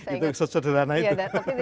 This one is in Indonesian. itu yang sudah sederhana itu